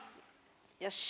よし！